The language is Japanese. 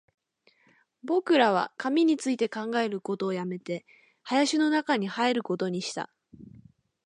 僕らは紙について考えることを止めて、林の中に入ることにした